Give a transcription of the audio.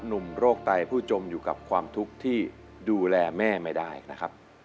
โรคไตผู้จมอยู่กับความทุกข์ที่ดูแลแม่ไม่ได้นะครับ